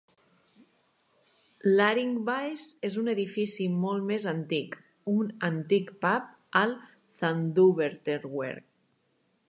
L'"Haringbuys" és un edifici molt més antic, un antic pub al Zandvoorterweg.